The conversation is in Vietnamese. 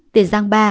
tiền giang ba